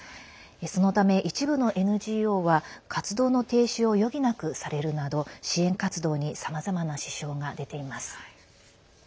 そのため、一部のＮＧＯは活動の停止を余儀なくされるなど支援活動にさまざまな支障が出ています。